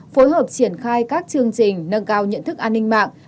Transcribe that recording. phối hợp triển khai các chương trình nâng cao nhận thức an ninh mạng